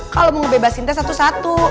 kalo mau bebasin teh satu satu